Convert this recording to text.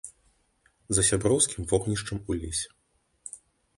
За сяброўскім вогнішчам у лесе.